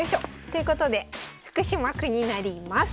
ということで福島区になります。